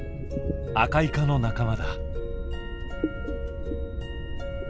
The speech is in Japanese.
アカイカの仲間だ。